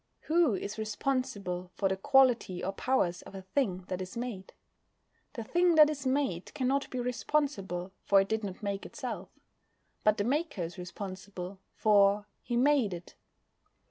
Who is responsible for the quality or powers of a thing that is made? The thing that is made cannot be responsible, for it did not make itself. But the maker is responsible, for he made it.